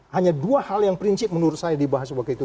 hanya dua hal yang prinsip menurut saya dibahas waktu itu